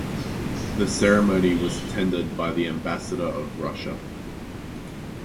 The ceremony was attended by the Ambassador of Russia.